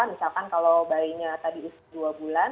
misalkan kalau bayinya tadi usia dua bulan